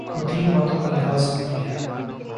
تو تین باتوں کا لحاظ ضروری ہے۔